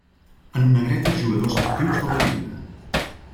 En negreta jugadors actius de la lliga.